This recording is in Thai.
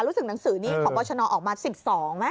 รู้สึกหนังสือนี้ของบรชนอร์ออกมา๑๒ไหม